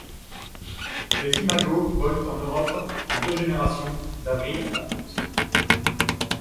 Les imagos volent en Europe en deux générations d'avril à août.